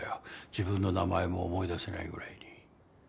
自分の名前も思い出せないぐらいに。